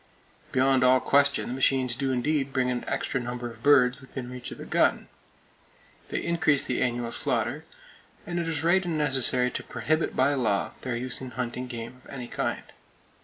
Beyond all question, the machines do indeed bring an extra number of birds within reach of the gun! They increase the annual slaughter; and it is right and necessary to prohibit by law their use in hunting game of any kind.